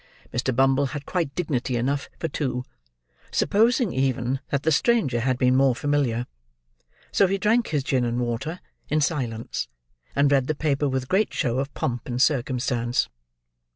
Mr. Bumble had quite dignity enough for two; supposing even that the stranger had been more familiar: so he drank his gin and water in silence, and read the paper with great show of pomp and circumstance.